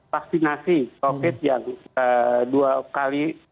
vaksinasi covid yang dua kali